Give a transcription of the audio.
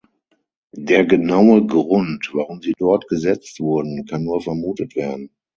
Der genaue Grund, warum sie dort gesetzt wurden, kann nur vermutet werden.